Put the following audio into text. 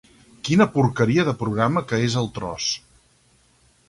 Quina porqueria de programa que és "el tros"!